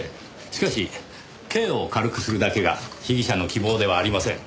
しかし刑を軽くするだけが被疑者の希望ではありません。